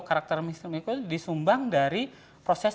karakteristik mikro itu disumbang dari proses